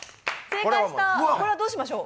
これはどうしましょう。